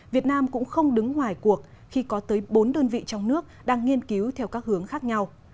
việt nam cũng không đứng ngoài cuộc khi có tới bốn đơn vị trong nước đang nghiên cứu theo các hướng khác nhau